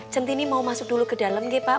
centini mau masuk dulu ke dalem nge pak